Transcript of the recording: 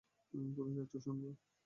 কোথায় যাচ্ছো, সাঙ্গেয়া?